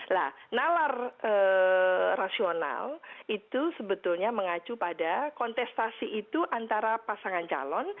nah nalar rasional itu sebetulnya mengacu pada kontestasi itu antara pasangan calon